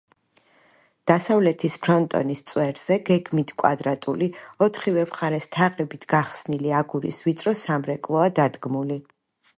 დასავლეთის ფრონტონის წვერზე გეგმით კვადრატული, ოთხივე მხარეს თაღებით გახსნილი აგურის ვიწრო სამრეკლოა დადგმული.